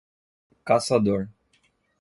Caçador